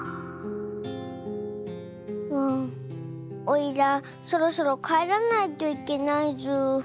おいらそろそろかえらないといけないズー。